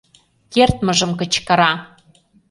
Кертмыжым кычкыра: